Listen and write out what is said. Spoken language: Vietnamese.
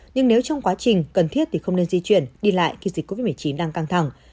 nhưng nếu trong quá trình cần thiết thì không nên di chuyển đi lại khi dịch covid một mươi chín đang căng thẳng